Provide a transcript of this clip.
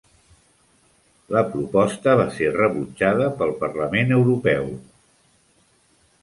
La proposta va ser rebutjada pel Parlament Europea.